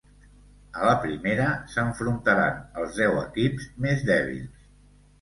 A la primera s'enfrontaren els deu equips més dèbils.